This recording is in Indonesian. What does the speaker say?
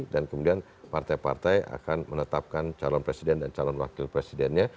dan kemudian partai partai akan menetapkan calon presiden dan calon wakil presidennya